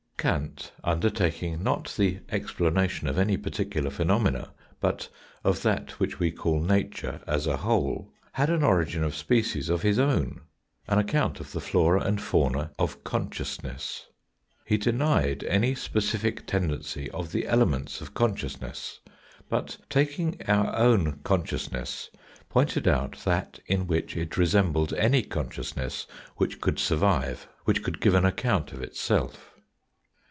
Kant, undertaking not the explanation of any particular phenomena but of that which we call nature as a whole, had an origin of species of his own, an account of the flora and fauna of consciousness. He denied any specific tendency of the elements of consciousness, but taking our own consciousness, pointed out that in which it resembled any consciousness which could survive, which could give an account of itself.